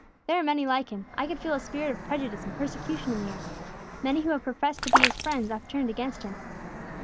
There are many like him; I could feel a spirit of prejudice and persecution in the very air. Many who have professed to be His friends have turned against Him."